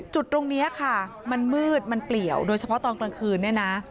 จุดตรงนี้ค่ะมันมืดมันเปลี่ยวโดยเฉพาะตอนกลางคืนเนี่ยนะ